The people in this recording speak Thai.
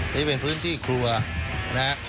นี่เป็นพื้นที่ครัวนะฮะ